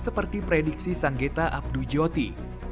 seperti prediksi sanggeta abdujjoti